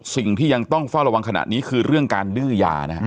สิ่งที่ยังต้องเฝ้าระวังขณะนี้คือเรื่องการดื้อยานะฮะ